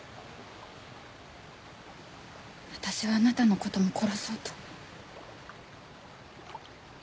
私はあなたのことも殺そうと。